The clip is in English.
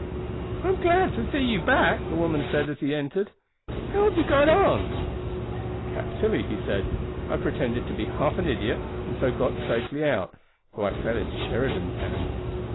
"I am glad to see you back," the woman said as he entered. "How have you got on?" "Capitally," he said. "I pretended to be half an idiot, and so got safely out, though I fell into Sheridan's hands.